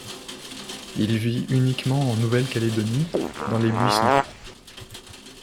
Il vit uniquement en Nouvelle-Calédonie, dans les buissons.